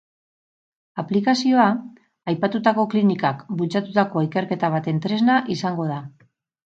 Aplikazioa aipatutako klinikak bultzatutako ikerketa baten tresna izango da.